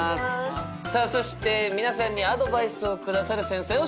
さあそして皆さんにアドバイスをくださる先生を紹介します。